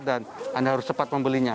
dan anda harus cepat membelinya